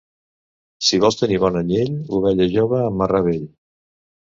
Si vols tenir bon anyell, ovella jove amb marrà vell.